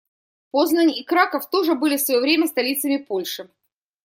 Познань и Краков тоже были в своё время столицами Польши.